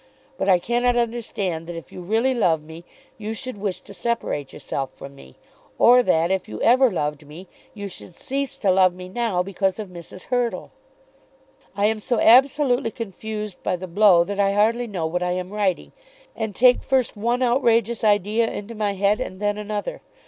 But I cannot understand that if you really love me, you should wish to separate yourself from me, or that, if you ever loved me, you should cease to love me now because of Mrs. Hurtle. I am so absolutely confused by the blow that I hardly know what I am writing, and take first one outrageous idea into my head and then another.